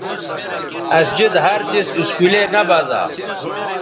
اسجد ہر دِس اسکولے نہ بزا